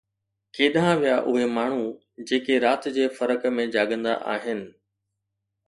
ڪيڏانهن ويا اهي ماڻهو جيڪي رات جي فرق ۾ جاڳندا آهن؟